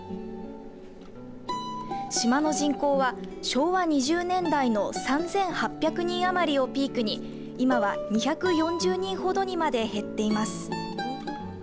島の人口は昭和２０年代の３８００人余りをピークに今は２４０人ほどにまで減っています。